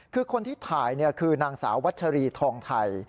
คือคนที่ถ่ายคือนางสาววัชรีทองไทย